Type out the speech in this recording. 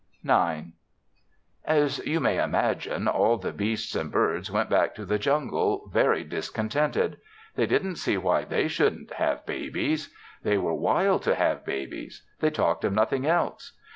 IX As you may imagine, all the beasts and birds went back to the jungle very discontented. They didn't see why they shouldn't have babies. They were wild to have babies. They talked of nothing else.